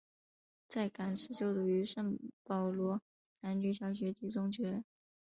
在港时就读于圣保罗男女小学及中学。